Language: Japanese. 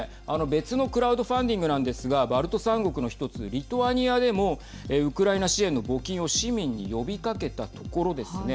別のクラウドファンディングなんですがバルト３国の１つリトアニアでもウクライナ支援の募金を市民に呼びかけたところですね